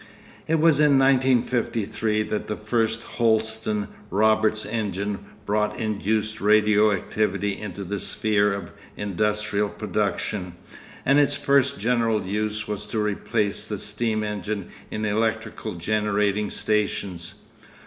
It was in 1953 that the first Holsten Roberts engine brought induced radio activity into the sphere of industrial production, and its first general use was to replace the steam engine in electrical generating stations.